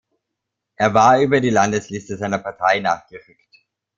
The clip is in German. Er war über die Landesliste seiner Partei nachgerückt.